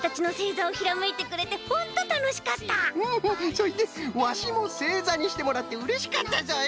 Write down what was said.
そいでワシもせいざにしてもらってうれしかったぞい！